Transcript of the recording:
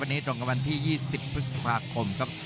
วันนี้ตรงกับวันที่๒๐พฤษภาคมครับ